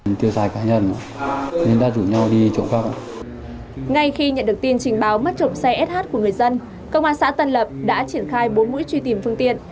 ngay khi nhận được tin trình báo mất trộm xe sh của người dân công an xã tân lập đã triển khai bốn mũi truy tìm phương tiện